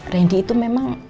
rendy itu memang